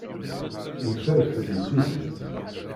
Yeffer fell-i tidet.